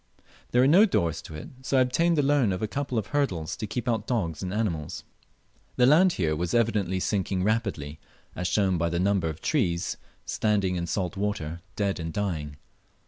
There were no doors to it, so I obtained the loan of a couple of hurdles to keep out dogs and other animals. The land here was evidently sinking rapidly, as shown by the number of trees standing in salt water dead and dying.